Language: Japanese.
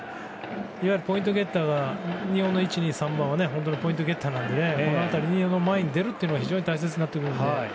いわゆるポイントゲッター日本の１、２、３番はポイントゲッターなのでこの前に出るのは非常に大切になってくるので。